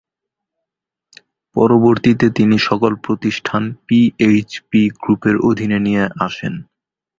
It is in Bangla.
পরবর্তীতে তিনি সকল প্রতিষ্ঠান পিএইচপি গ্রুপের অধীনে নিয়ে আসেন।